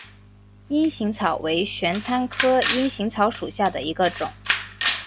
阴行草为玄参科阴行草属下的一个种。